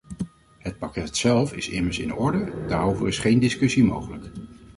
Het pakket zelf is immers in orde, daarover is geen discussie mogelijk.